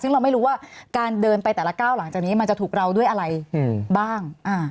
ซึ่งเราไม่รู้ว่าการเดินไปแต่ละก้าวหลังจากนี้มันจะถูกเราด้วยอะไรบ้าง